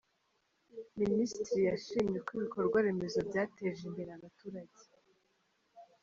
Minisitiri yashimye uko ibikorwa remezo byateje imbere abaturage